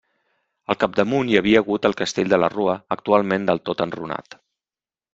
Al capdamunt hi havia hagut el Castell de la Rua, actualment del tot enrunat.